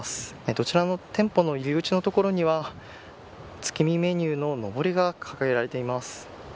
どちらも、店舗の入り口のところには月見メニューの、のぼりが掲げられています。